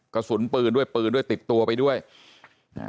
กระสุนปืนด้วยปืนด้วยติดตัวไปด้วยอ่า